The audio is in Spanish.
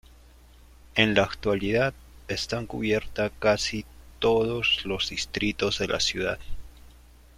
En la actualidad, están cubiertas casi todos los distritos de la ciudad.